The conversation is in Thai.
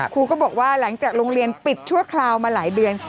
ครูก็บอกว่าหลังจากโรงเรียนปิดชั่วคราวมาหลายเดือน